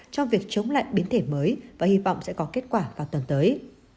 trong việc chống lại biến thể mới và hy vọng sẽ có kết quả vào tuần tới